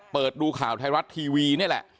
เปิดดูข่าวไทยรัฐทีวี